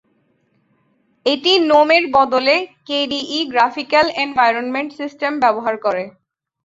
এটি নোম-এর বদলে কেডিই গ্রাফিক্যাল এনভায়রনমেন্ট সিস্টেম ব্যবহার করে।